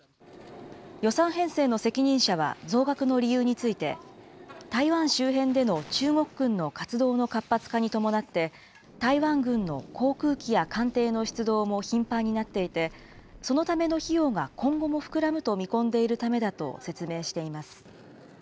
予算編成の責任者は、増額の理由について、台湾周辺での中国軍の活動の活発化に伴って、台湾軍の航空機や艦艇の出動も頻繁になっていて、そのための費用が今後も膨らむと見込んでいるためだと説明しています。